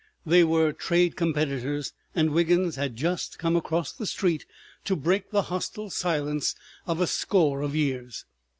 They were trade competitors, and Wiggins had just come across the street to break the hostile silence of a score of years.